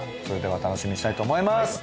それでは楽しみにしたいと思います。